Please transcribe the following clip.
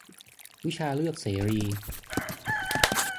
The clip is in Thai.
วิชาเลือกเสรี